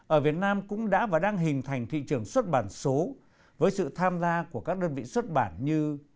ở việt nam cũng đã và đang hình thành thị trường xuất bản số với sự tham gia của các đơn vị xuất bản như